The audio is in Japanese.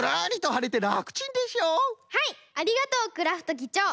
はいありがとうクラフトぎちょう！